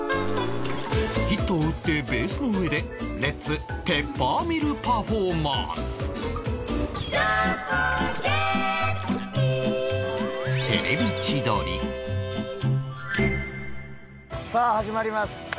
ヒットを打ってベースの上でレッツペッパーミルパフォーマンスさあ始まります。